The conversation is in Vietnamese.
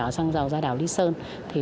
xăng dầu ra đảo lý sơn